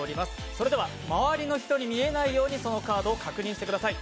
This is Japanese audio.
それでは周りの人に見えないようにそのカードを確認してください。